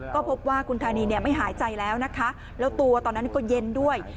ก็พบว่าคุณธานีเนี่ยไม่หายใจแล้วนะคะแล้วตัวตอนนั้นก็เย็นด้วย